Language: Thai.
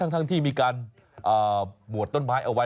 ทั้งที่มีการหมวดต้นไม้เอาไว้